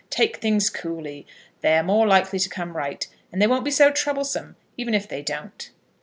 Take things coolly. They're more likely to come right, and they won't be so troublesome, even if they don't."